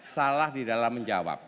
salah di dalam menjawab